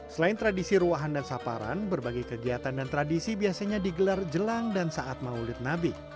selain tradisi ruahan dan saparan berbagai kegiatan dan tradisi biasanya digelar jelang dan saat maulid nabi